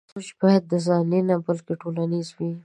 سوچ بايد ځاني نه بلکې ټولنيز وي.